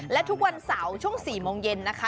และทุกวันเสาร์ช่วง๔โมงเย็นนะคะ